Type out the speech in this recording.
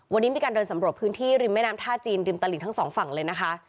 วันนี้มีการเดินสำรวจพื้นที่ริมแม่น้ำท่าจีนริมตลิงทั้งสองฝั่งเลยนะคะ